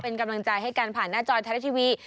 เป็นกำลังใจให้กันผ่านหน้าจอไทยรัฐทีวี